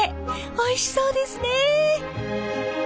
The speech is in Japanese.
おいしそうですねえ。